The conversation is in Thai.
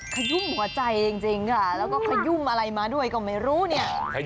ขยุ่มหัวใจจริงค่ะแล้วก็ขยุ่มอะไรมาด้วยก็ไม่รู้เนี่ย